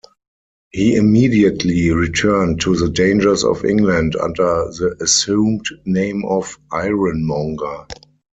He immediately returned to the dangers of England under the assumed name of Ironmonger.